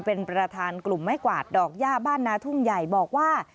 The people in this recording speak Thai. เป็นประธานกลุ่มไม้กวาดดอกย่าบ้านนาทุ่งใหญ่บอกว่า